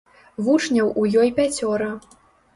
Вучняў у ёй пяцёра.